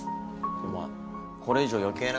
お前これ以上余計なこと言う。